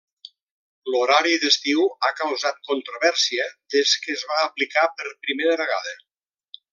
L'horari d'estiu ha causat controvèrsia des que es va aplicar per primera vegada.